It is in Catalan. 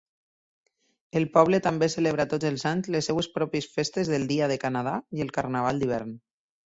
El poble també celebra tots els anys les seves pròpies festes del Dia de Canadà i el carnaval d'hivern.